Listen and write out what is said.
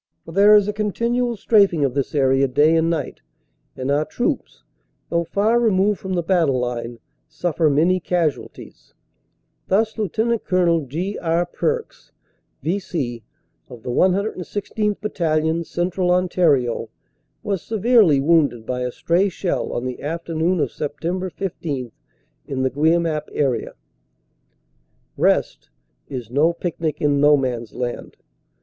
For there is a continual straafing of this area day and night, and our troops, though far removed from the battle line, suffer many casualties. Thus Lt. Col. G. R. Pearkes, V.C., of the 116th. Battalion. Central Ontario, was severely wounded by a stray shell on the afternoon of Sept. IS in the Guemappe area. "Rest" is no picnic in No Man s Land.